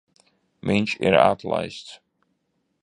Viņš ir atlaists.